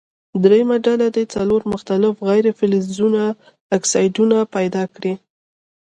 دریمه ډله دې څلور مختلفو غیر فلزونو اکسایدونه پیداکړي.